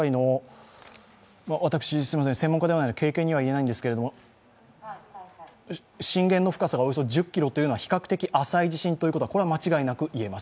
私、専門家ではないので軽々にはいえないんですが、震源の深さがおよそ１０ｋｍというのは、比較的浅い地震ということは間違いなく言えます。